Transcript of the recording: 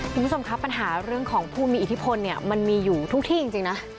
คุณผู้ชมครับปัญหาเรื่องของผู้มีอิทธิพลเนี่ยมันมีอยู่ทุกที่จริงนะ